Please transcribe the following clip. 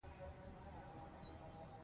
پرځای نقد کم دی، توهین ډېر دی.